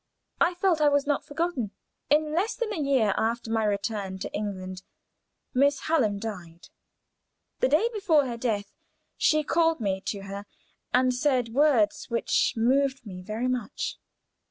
I felt I was not forgotten. In less than a year after my return to England, Miss Hallam died. The day before her death she called me to her, and said words which moved me very much.